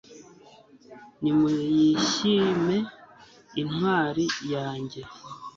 nimuyishime intwari yanjye